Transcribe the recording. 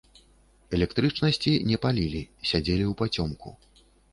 Электрычнасці не палілі, сядзелі ўпацёмку.